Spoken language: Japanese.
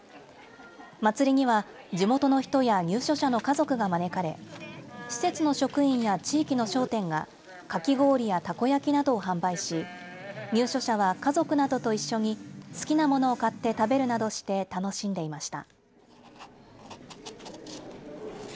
祭りには地元の人や入所者の家族が招かれ施設の職員や地域の商店がかき氷やたこ焼きなどを販売し入所者は家族などと一緒に好きなものを買って食べるなどして楽しんでいました。